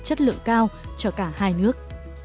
chất lượng cao cho cả hai nước